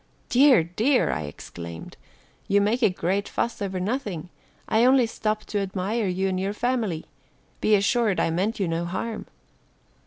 "Dear, dear!" I exclaimed, "you make a great fuss over nothing. I only stopped to admire you and your family. Be assured I meant you no harm."